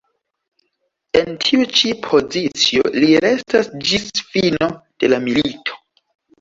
En tiu ĉi pozicio li restas ĝis fino de la milito.